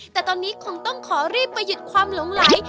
แต่ตอนนี้คงต้องขอรีบประหยุดความหลงไหล